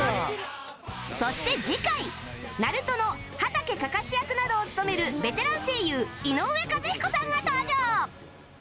そして次回『ＮＡＲＵＴＯ』のはたけカカシ役などを務めるベテラン声優井上和彦さんが登場